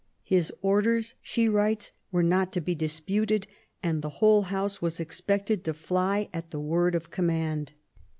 " His orders/^ she writes^ *' were not to be disputed ; and the whole house was expected to fly at the word of command.